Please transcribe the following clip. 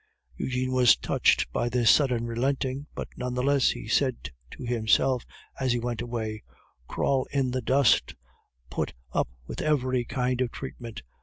Eugene was touched by this sudden relenting, but none the less he said to himself as he went away, "Crawl in the dust, put up with every kind of treatment.